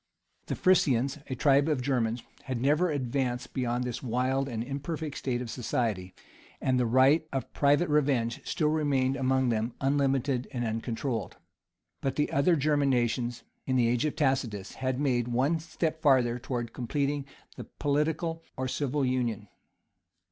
The Frisians, a tribe of the Germans, had never advanced beyond this wild and imperfect state of society; and the right of private revenge still remained among them unlimited and uncontrolled.[*] But the other German nations, in the age of Tacitus, had made one step farther towards completing the political or civil union.